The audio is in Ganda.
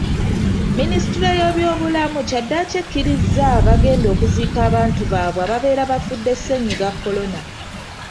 Minisitule y'ebyobulamu kyaddaaki ekkirizza ab'enganda okuziika abantu baabwe ababeera bafudde ssennyiga korona.